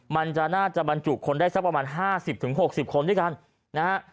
มันจะน่าจะบรรจุคนได้สักประมาณ๕๐๖๐คนด้วยกันนะฮะ